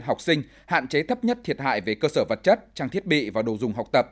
học sinh hạn chế thấp nhất thiệt hại về cơ sở vật chất trang thiết bị và đồ dùng học tập